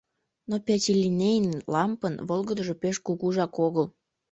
Но пятилинейный лампын волгыдыжо пеш кугужак огыл.